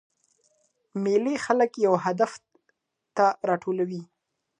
مېلې خلک یو هدف ته راټولوي.